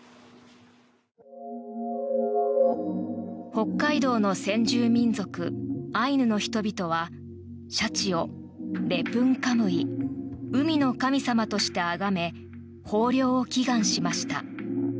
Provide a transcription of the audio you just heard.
北海道の先住民族アイヌの人々はシャチをレプンカムイ海の神様として崇め豊漁を祈願しました。